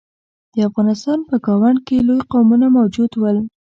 د افغانستان په ګاونډ کې لوی قومونه موجود ول.